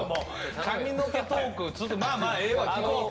髪の毛トーク続くまあまあええわ聞こう。